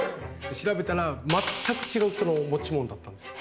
調べたら全く違う人の持ち物だったんです。